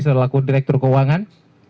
selaku direktur keuangan